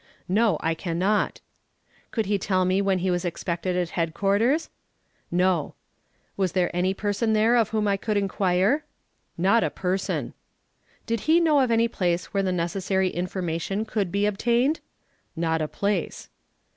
"No, I can not." Could he tell me when he was expected at headquarters? "No." Was there any person there of whom I could inquire? "Not a person." Did he know of any place where the necessary information could be obtained? "Not a place."